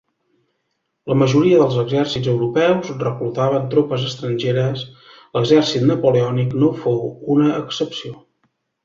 La majoria dels exèrcits europeus reclutaven tropes estrangeres, l'exèrcit napoleònic no fou una excepció.